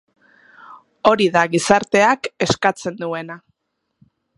Hori da gizarteak eskatzen duena.